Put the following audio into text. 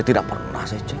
tidak pernah saya cek